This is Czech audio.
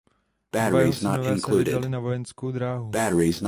Dva jeho synové se vydali na vojenskou dráhu.